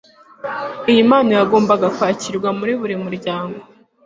Iyi mpano yagombaga kwakirwa muri buri muryango